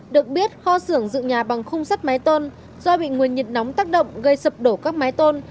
được biết kho xưởng dự nhà bằng khung sắt máy tôn do bị nguyên nhiệt nóng tác động gây sập đổ các máy tôn